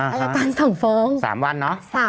อายการส่งคำฟ้องสามวันเนอะ